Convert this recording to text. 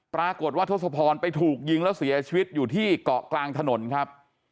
ปรากฏว่าทศพรไปถูกยิงแล้วเสียชีวิตอยู่ที่เกาะกลางถนนครับ